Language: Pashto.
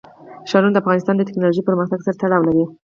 ښارونه د افغانستان د تکنالوژۍ پرمختګ سره تړاو لري.